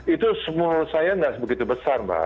itu semua saya nggak begitu besar mbak